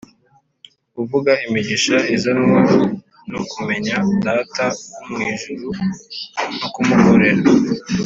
ukuvuga imigisha izanwa no kumenya Data wo mu ijuru no kumukorera